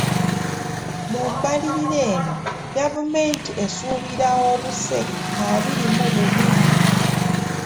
Mu mbalirira eno, gavumenti esuubira obuse abiri mu bubiri.